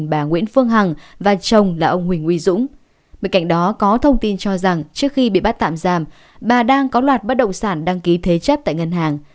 bên cạnh đó có thông tin cho rằng trước khi bị bắt tạm giam bà đang có loạt bất động sản đăng ký thế chấp tại ngân hàng